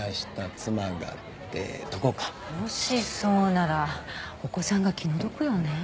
もしそうならお子さんが気の毒よね？